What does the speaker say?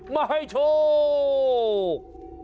มาให้โชค